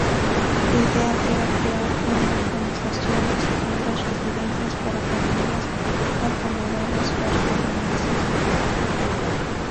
Su idea era crear una urbanización de segundas residencias para familias acomodadas barcelonesas.